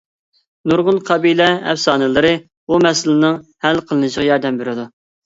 نۇرغۇن قەبىلە ئەپسانىلىرى بۇ مەسىلىنىڭ ھەل قىلىنىشىغا ياردەم بېرىدۇ.